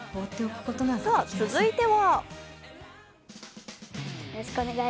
続いては。